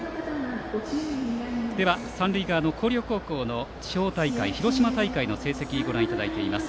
では、三塁側の広陵高校の地方大会広島大会の成績をご覧いただいています。